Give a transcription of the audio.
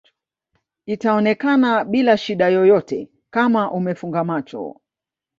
itaonekana bila shida yoyote Kama umefunga macho